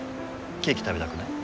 ケーキ食べたくない？